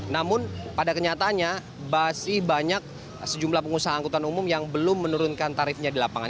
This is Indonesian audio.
namun pada kenyataannya masih banyak sejumlah pengusaha angkutan umum yang belum menurunkan tarifnya di lapangan